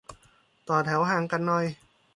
ต่อแถวห่างกันหน่อย